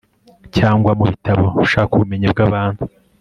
Cyangwa mubitabo ushaka ubumenyi bwabantu